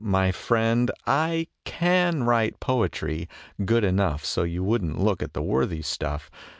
My friend, I can write poetry good enough So you wouldn't look at the worthy stuff.